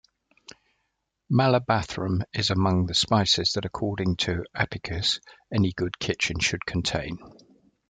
Malabathrum is among the spices that, according to Apicius, any good kitchen should contain.